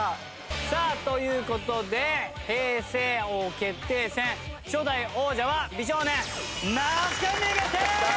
さあという事で平成王決定戦初代王者は美少年那須君に決定！